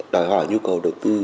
đòi hỏi nhu cầu đầu tư